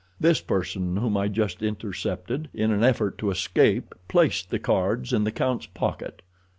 This person whom I just intercepted in an effort to escape placed the cards in the count's pocket."